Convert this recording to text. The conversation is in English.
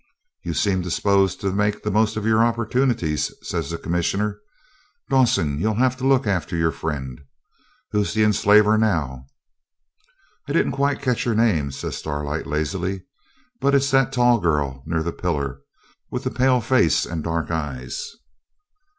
'You seem disposed to make the most of your opportunities,' says the Commissioner. 'Dawson, you'll have to look after your friend. Who's the enslaver now?' 'I didn't quite catch her name,' says Starlight lazily; 'but it's that tall girl near the pillar, with the pale face and dark eyes.'